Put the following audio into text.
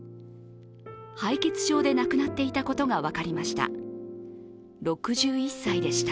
敗血症で亡くなっていたことが分かりました。